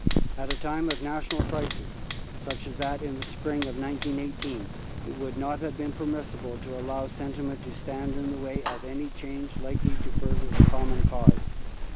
At a time of national crisis, such as that in the spring of 1918, it would not have been permissible to allow sentiment to stand in the way of any change likely to further the common cause.